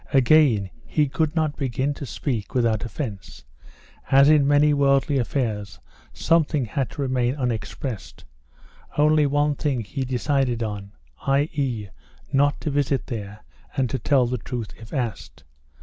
Again, he could not begin to speak without offence. As in many worldly affairs, something had to remain unexpressed. Only one thing he decided on, i.e., not to visit there, and to tell the truth if asked.